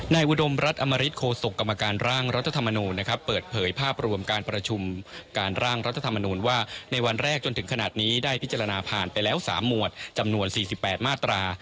อุดมรัฐอมริตโฆษกกรรมการร่างรัฐธรรมนูญนะครับเปิดเผยภาพรวมการประชุมการร่างรัฐธรรมนูญว่าในวันแรกจนถึงขนาดนี้ได้พิจารณาผ่านไปแล้ว๓หมวดจำนวน๔๘มาตรา